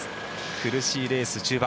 苦しいレース、中盤。